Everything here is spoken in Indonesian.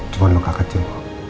cuma luka kecil